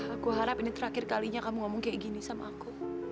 aku harap ini terakhir kalinya kamu ngomong kayak gini sama aku